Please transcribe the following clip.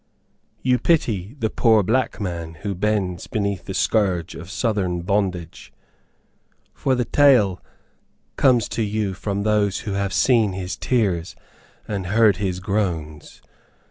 You pity the poor black man who bends beneath the scourge of southern bondage, for the tale comes to you from those who have seen his tears and heard his groans.